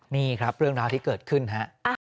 นี่ครับเรื่องราวที่เกิดขึ้นฮะ